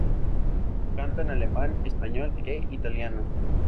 Canta en alemán, español e italiano.